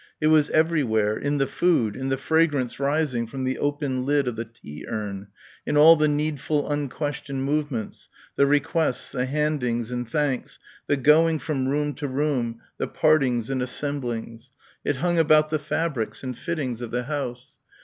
It was everywhere, in the food, in the fragrance rising from the opened lid of the tea urn, in all the needful unquestioned movements, the requests, the handings and thanks, the going from room to room, the partings and assemblings. It hung about the fabrics and fittings of the house.